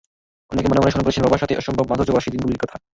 অনেকে মনে মনে স্মরণ করেছেন বাবার সাথে অসম্ভব মাধুর্যভরা সেই দিনগুলির কথা।